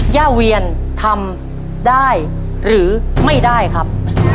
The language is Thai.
ย่าเวียนทำได้หรือไม่ได้ครับ